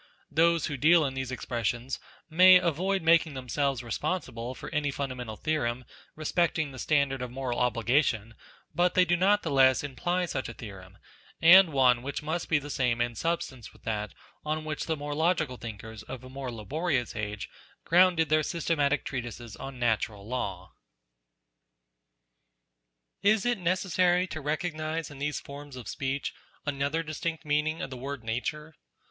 Those 12 NATURE who deal in these expressions, may avoid making themselves responsible for any fundamental theorem respecting the standard of moral obligation, but they do not the less imply such a theorem, and one which must be the same in substance with that on which the more logical thinkers of a more laborious age grounded their systematic treatises on Natural Law. Is it necessar} T to recognize in these forms of speech, another distinct meaning of the word Nature